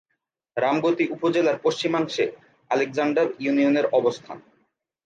রামগতি উপজেলার পশ্চিমাংশে আলেকজান্ডার ইউনিয়নের অবস্থান।